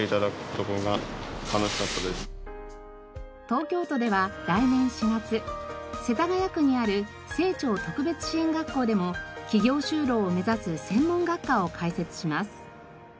東京都では来年４月世田谷区にある青鳥特別支援学校でも企業就労を目指す専門学科を開設します。